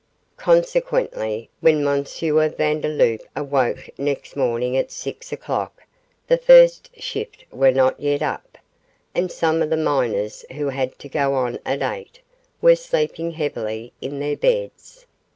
Consequently, when M. Vandeloup awoke next morning at six o'clock the first shift were not yet up, and some of the miners who had to go on at eight were sleeping heavily in their beds.